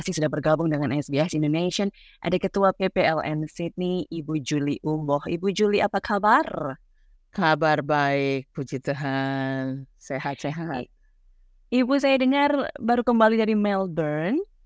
ibu saya dengar baru kembali dari melbourne